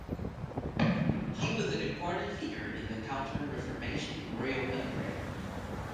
He was an important figure in the Counter-Reformation in Royal Hungary.